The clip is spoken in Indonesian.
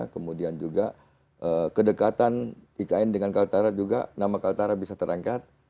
kemudian juga kedekatan ikn dengan kaltara juga nama kaltara bisa terangkat